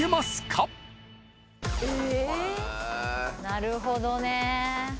なるほどね。